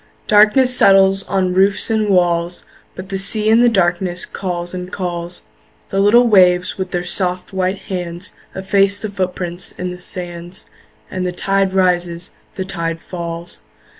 Darkness settles on the roofs and walls But the sea, the sea in darkness calls; The little waves, with their soft, white hands, Efface the footprints in the sands And the tide rises, the tide falls.